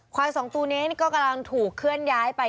สองตัวนี้ก็กำลังถูกเคลื่อนย้ายไป